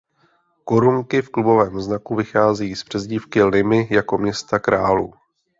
Korunky v klubovém znaku vycházejí z přezdívky Limy jako „města králů“.